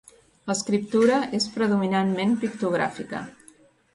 L'escriptura és predominantment pictogràfica.